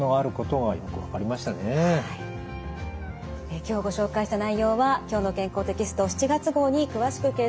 今日ご紹介した内容は「きょうの健康」テキスト７月号に詳しく掲載されています。